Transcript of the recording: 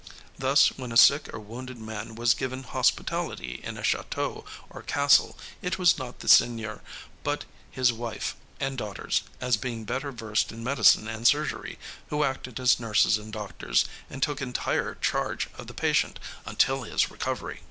Thus, when a sick or wounded man was given hospitality in a château or castle it was not the seigneur, but his wife and daughters, as being better versed in medicine and surgery, who acted as nurses and doctors and took entire charge of the patient until his recovery.